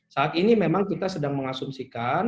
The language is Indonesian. saat ini memang kita sedang mengasumsikan